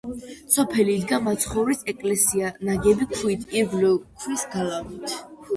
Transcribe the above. სოფელში იდგა მაცხოვრის ეკლესია, ნაგები ქვით, ირგვლივ ქვის გალავნით.